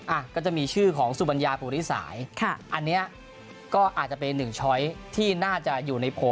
อ่ะก็จะมีชื่อของสุบัญญาภูริสายค่ะอันนี้ก็อาจจะเป็นหนึ่งช้อยที่น่าจะอยู่ในโผล่